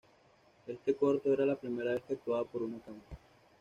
Este corto era la primera vez que actuaba para una cámara.